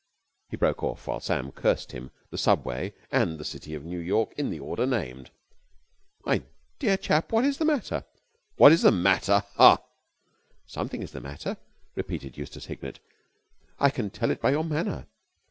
He broke off while Sam cursed him, the Subway, and the city of New York, in the order named. "My dear chap, what is the matter?" "What is the matter? Ha!" "Something is the matter," persisted Eustace Hignett, "I can tell it by your manner.